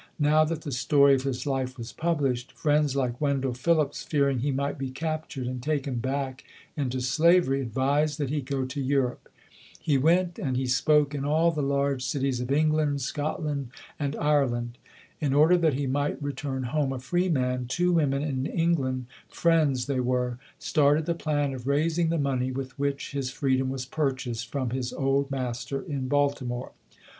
Now that the story of his life was published, friends like Wendell Phillips, fearing he might be captured and taken back into slavery, advised that he go to Europe. He went FREDERICK DOUGLASS [ 33 and he spoke in all the large cities of England, Scotland and Ireland. In order that he might re turn home a free man, two women in England, "Friends" they were, started the plan of raising the money with which his freedom was purchased from his old master in Baltimore.